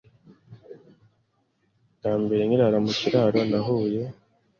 Bwa mbere nkirara mu kiraro nahuye